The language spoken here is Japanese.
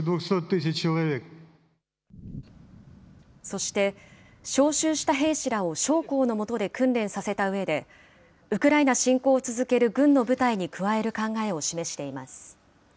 そして、招集した兵士らを将校の下で訓練させたうえで、ウクライナ侵攻を続ける軍の部隊に加える考えを示しています。